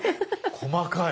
細かい。